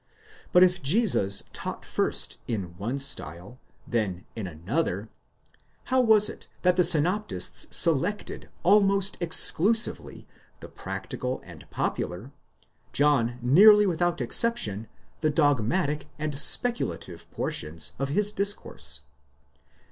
But if Jesus taught first in one style, then in another, how was it that the synoptists selected almost exclusively the practical and popular, John, nearly without exception, the dogmatic and speculative portions of his discourse?